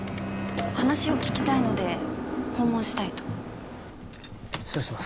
話を聞きたいので訪問したいと失礼します